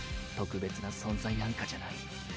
特別な存在なんかじゃない。